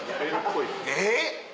えっ？